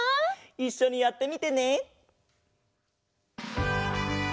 いっしょにやってみてね。